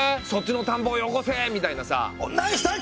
そっちの田んぼをよこせ！みたいなさ。